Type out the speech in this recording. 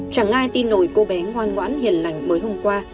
chẳng ai tin nồi cô bé ngoan ngoãn hiền lành mới hôm qua